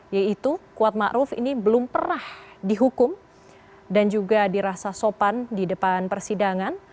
yaitu kuat ma'ruf ini belum pernah dihukum dan juga dirasa sopan di depan persidangan